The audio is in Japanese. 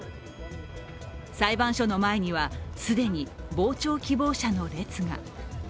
裁判所の前には既に傍聴希望者の列が。